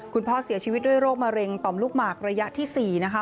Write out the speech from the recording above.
คุณพ่อเสียชีวิตด้วยโรคมะเร็งต่อมลูกหมากระยะที่๔นะคะ